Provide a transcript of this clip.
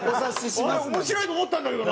あれ面白いと思ったんだけどな。